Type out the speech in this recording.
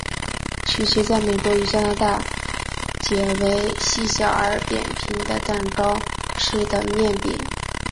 曲奇在美国与加拿大解为细小而扁平的蛋糕式的面饼。